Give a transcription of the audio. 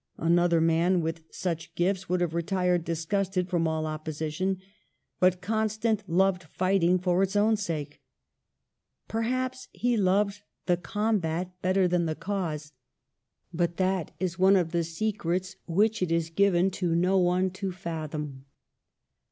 An other man with such gifts would have retired disgusted from all opposition ; but Constant loved fighting for its own sake. Perhaps he loved the combat better than the cause ; but that is one of the secrets which it is given to no one to fathom.